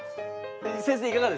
先生いかがでした？